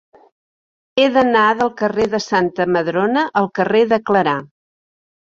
He d'anar del carrer de Santa Madrona al carrer de Clarà.